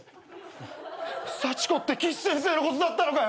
サチコって岸先生のことだったのかよ。